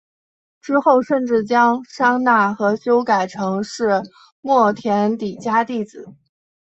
之后甚至将商那和修改成是末田底迦弟子。